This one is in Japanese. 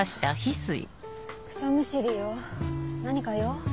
草むしりよ何か用？